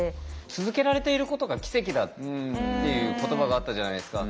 続けられていることが奇跡だっていう言葉があったじゃないですか。